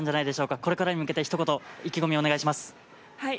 これからに向けて一言、意気込みをお願いします。